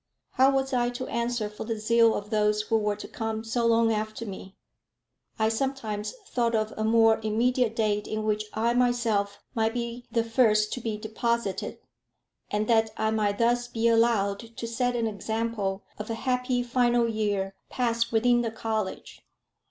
How was I to answer for the zeal of those who were to come so long after me? I sometimes thought of a more immediate date in which I myself might be the first to be deposited, and that I might thus be allowed to set an example of a happy final year passed within the college.